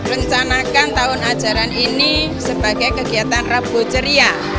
rencanakan tahun ajaran ini sebagai kegiatan rabu ceria